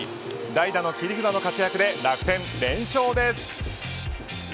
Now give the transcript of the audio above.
代打の切り札の活躍で楽天連勝です。